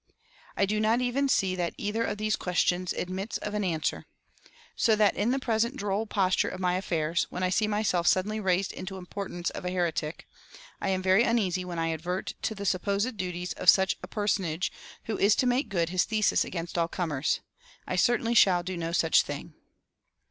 I do not even see that either of these questions admits of an answer. So that in the present droll posture of my affairs, when I see myself suddenly raised into the importance of a heretic, I am very uneasy when I advert to the supposed duties of such a personage who is to make good his thesis against all comers. I certainly shall do no such thing."